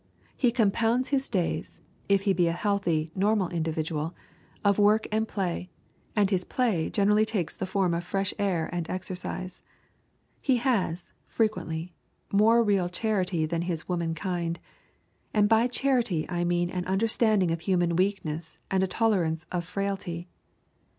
He compounds his days, if he be a healthy, normal individual, of work and play, and his play generally takes the form of fresh air and exercise. He has, frequently, more real charity than his womankind, and by charity I mean an understanding of human weakness and a tolerance of frailty.